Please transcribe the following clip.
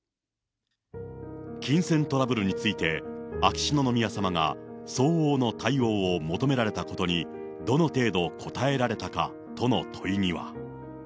金銭トラブルについて、秋篠宮さまが、相応の対応を求められたことに、どの程度応えられたかとの問いには。